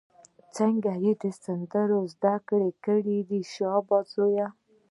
څنګه ښې سندرې یې زده کړې دي، شابسي زویه!